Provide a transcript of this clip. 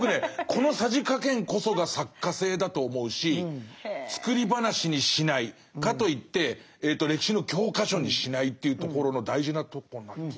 このさじ加減こそが作家性だと思うし作り話にしないかといって歴史の教科書にしないというところの大事なとこな気が。